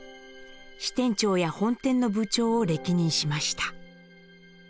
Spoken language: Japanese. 支店長や本店の部長を歴任しました。